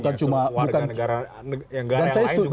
bukan cuma warga negara lain juga banyak